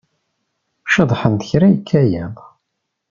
Ceḍḥent kra yekka yiḍ.